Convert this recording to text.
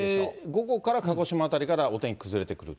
午後から鹿児島辺りからお天気崩れてくると。